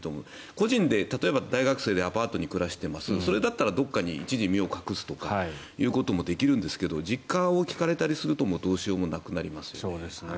個人で、例えば大学生でアパートに暮らしていますそれだったら、どこかに一時身を隠すということもできるんですが実家を聞かれたりするとどうしようもなくなりますね。